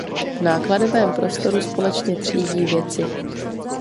V nákladovém prostoru společně třídí věci.